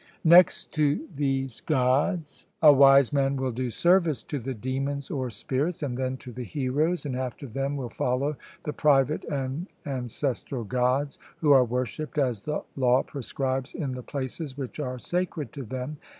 Next to these Gods, a wise man will do service to the demons or spirits, and then to the heroes, and after them will follow the private and ancestral Gods, who are worshipped as the law prescribes in the places which are sacred to them.